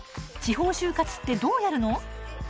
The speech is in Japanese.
「地方就活ってどうやるの？」